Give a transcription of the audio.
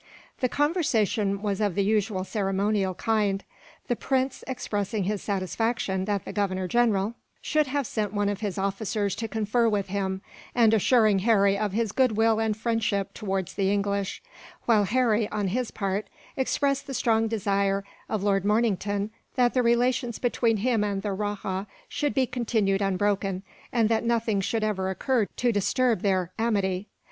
The conversation was of the usual ceremonial kind, the prince expressing his satisfaction that the Governor General should have sent one of his officers to confer with him, and assuring Harry of his goodwill and friendship towards the English; while Harry, on his part, expressed the strong desire of Lord Mornington that the relations between him and the rajah should be continued unbroken, and that nothing should ever occur to disturb their amity.